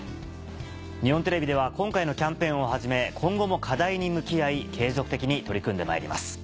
日本テレビでは今回のキャンペーンをはじめ今後も課題に向き合い継続的に取り組んでまいります。